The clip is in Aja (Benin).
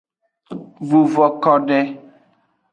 Vuvo kode.